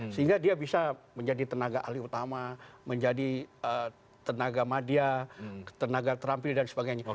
sehingga dia bisa menjadi tenaga ahli utama menjadi tenaga madia tenaga terampil dan sebagainya